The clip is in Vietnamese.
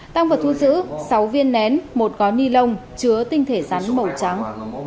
tăng vật thu giữ sáu viên nén một gói ni lông chứa tinh thể rắn màu trắng